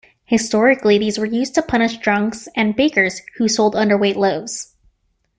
Historically these were used to punish drunks, and bakers who sold underweight loaves.